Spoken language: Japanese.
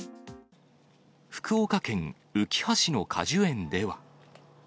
福岡県うきは市の果樹園では。